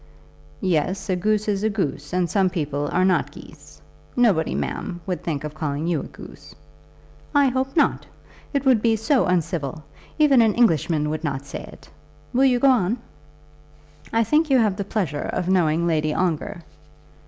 "Yes; a goose is a goose, and some people are not geese. Nobody, ma'am, would think of calling you a goose." "I hope not. It would be so uncivil, even an Englishman would not say it. Will you go on?" "I think you have the pleasure of knowing Lady Ongar?"